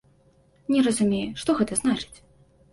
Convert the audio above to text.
Не разумею, што гэта значыць.